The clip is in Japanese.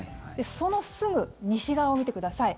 そのすぐ西側を見てください。